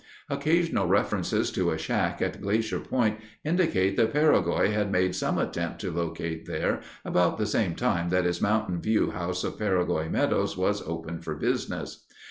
Occasional references to a shack at Glacier Point indicate that Peregoy had made some attempt to locate there about the same time that his Mountain View House of Peregoy Meadows was opened for business.